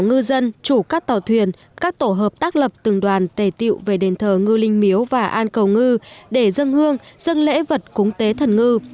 ngư dân chủ các tàu thuyền các tổ hợp tác lập từng đoàn tề tiệu về đền thờ ngư linh miếu và an cầu ngư để dân hương dân lễ vật cúng tế thần ngư